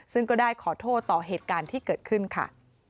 ซึ่งก็ได้ขอโทษต่อเหตุการณ์ที่เกิดขึ้นค่ะ